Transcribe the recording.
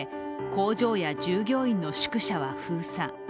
工場や従業員の宿舎は封鎖。